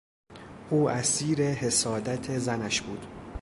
او اسیر حسادت زنش بود.